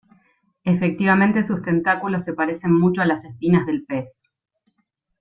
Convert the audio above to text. Efectivamente, sus tentáculos se parecen mucho a las espinas del pez.